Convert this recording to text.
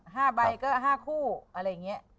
ห้าใบมีขั้นอีกอย่าง